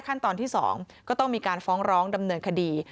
ขั้นตอนที่๒ก็ต้องมีการฟ้องร้องดำเนินคดี